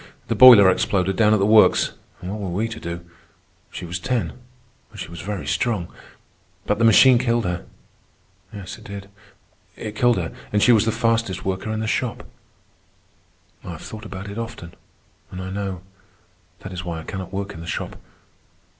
The boiler exploded down at the works. And what were we to do? She was ten, but she was very strong. But the machine killed her. Yes, it did. It killed her, and she was the fastest worker in the shop. I have thought about it often, and I know. That is why I cannot work in the shop.